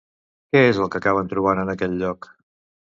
Què és el que acaben trobant en aquell lloc?